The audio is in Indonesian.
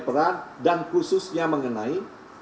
peran dan khususnya mengenai